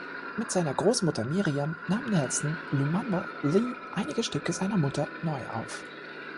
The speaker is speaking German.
Mit seiner Großmutter Miriam nahm Nelson Lumumba Lee einige Stücke seiner Mutter neu auf.